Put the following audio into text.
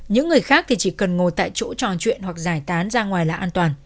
những người khác thì chỉ cần ngồi tại chỗ trò chuyện hoặc giải tán ra ngoài là an toàn